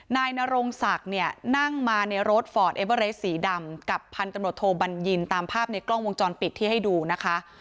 นายนรงศักดิ์เนี่ยนั่งมาในรถฟอร์ดเอเวอเรสสีดำกับพันตำรวจโทบัญญินตามภาพในกล้องวงจรปิดที่ให้ดูนะคะ